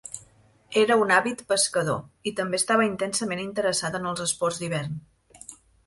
Era un àvid Pescador, i també estava intensament interessat en els esports d'hivern.